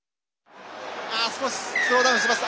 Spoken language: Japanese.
ああ少しスローダウンしました。